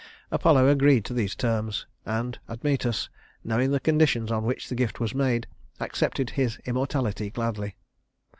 Apollo agreed to these terms, and Admetus, knowing the conditions on which the gift was made, accepted his immortality gladly.